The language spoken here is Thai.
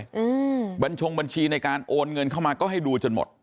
อืมบัญชงบัญชีในการโอนเงินเข้ามาก็ให้ดูจนหมด